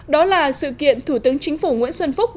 đó là sự kiện thủ tướng chính phủ nguyễn xuân phúc